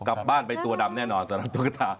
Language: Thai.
กลับบ้านไปตัวดำแน่นอนตัวดำตัวกระทะ